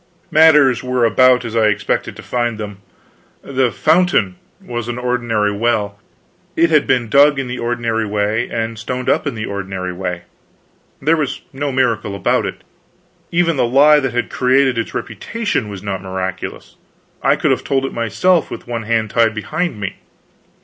Matters were about as I expected to find them. The "fountain" was an ordinary well, it had been dug in the ordinary way, and stoned up in the ordinary way. There was no miracle about it. Even the lie that had created its reputation was not miraculous; I could have told it myself, with one hand tied behind me.